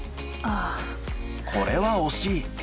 これは惜しい。